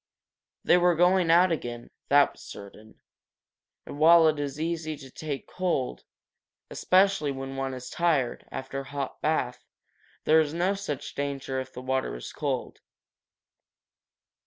They were going out again, that was certain. And, while it is easy to take cold, especially when one is tired, after a hot bath, there is no such danger if the water is cold.